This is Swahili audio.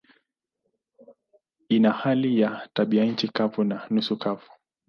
Ina hali ya tabianchi kavu na nusu kavu.